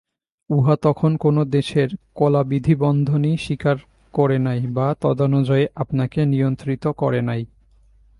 উহা তখন কোন দেশের কলাবিধিবন্ধনই স্বীকার করে নাই বা তদনুযায়ী আপনাকে নিয়ন্ত্রিত করে নাই।